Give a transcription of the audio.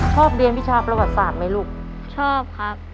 ชอบเรียนวิชาประวัติศาสตร์ไหมลูกชอบครับ